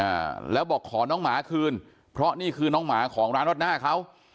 อ่าแล้วบอกขอน้องหมาคืนเพราะนี่คือน้องหมาของร้านรวดหน้าเขา